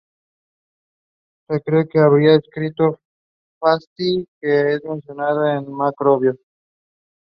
Se cree que habría escrito ""Fasti"", que es mencionado por Macrobio.